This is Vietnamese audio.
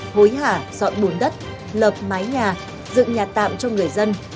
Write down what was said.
hối hả dọn bốn đất lập mái nhà dựng nhà tạm cho người dân